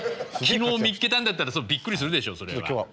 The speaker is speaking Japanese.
昨日見つけたんだったらビックリするでしょうそれは。